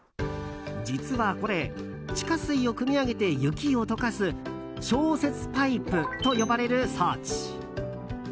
実はこれ、地下水をくみ上げて雪を解かす消雪パイプと呼ばれる装置。